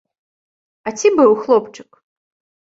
А ці быў хлопчык?